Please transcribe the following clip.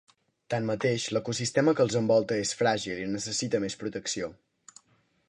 Tanmateix, l'ecosistema que els envolta és fràgil i necessita més protecció.